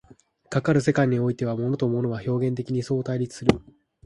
かかる世界においては、物と物は表現的に相対立する。